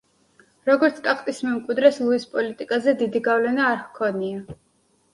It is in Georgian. როგორც ტახტის მემკვიდრეს ლუის პოლიტიკაზე დიდი გავლენა არ ჰქონია.